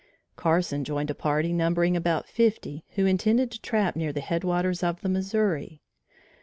Carson joined a party numbering about fifty who intended to trap near the headwaters of the Missouri.